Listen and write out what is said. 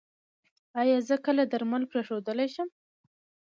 ایا زه کله درمل پریښودلی شم؟